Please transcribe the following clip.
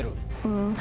うん。